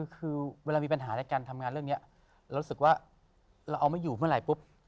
คือเวลามีปัญหาในการทำงานเรื่องนี้เรารู้สึกว่าเราเอาไม่อยู่เมื่อไหร่ปุ๊บ